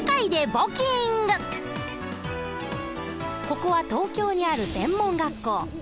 ここは東京にある専門学校。